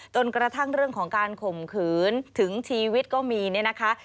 จนกระทั่งเรื่องของการข่มขืนถึงชีวิตก็มีเนี่ยนะคะ